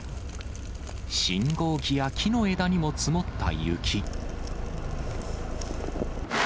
信号機や木の枝にも積もった雪。